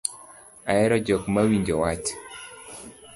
Ahero jok ma winjo wach